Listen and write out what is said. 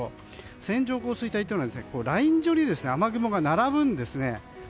線状降水帯というのはライン状に雨雲が並ぶんです。